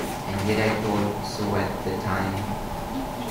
And yet I thought so at the time!